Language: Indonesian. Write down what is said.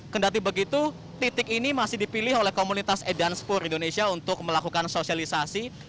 kendati begitu titik ini masih dipilih oleh komunitas edan spur indonesia untuk melakukan sosialisasi